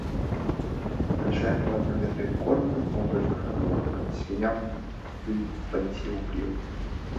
Намяшае ў адным вядры кормным, у другім надворным свінням ды панясе ў хлеў.